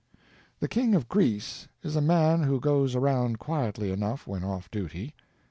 The King of Greece is a man who goes around quietly enough when off duty.